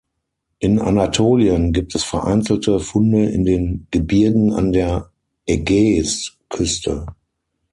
In Anatolien gibt es vereinzelte Funde in den Gebirgen an der Ägäisküste.